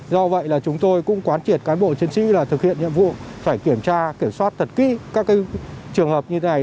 do vậy là chúng tôi cũng quán triệt cán bộ chiến sĩ là thực hiện nhiệm vụ phải kiểm tra kiểm soát thật kỹ các trường hợp như thế này